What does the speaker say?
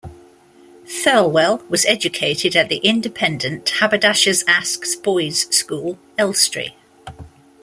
Thirlwell was educated at the independent Haberdashers' Aske's Boys' School, Elstree.